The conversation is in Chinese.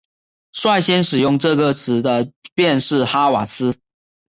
率先使用这个词的便是哈瓦斯。